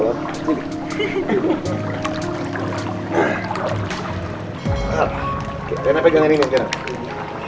lena pegangan ini sekarang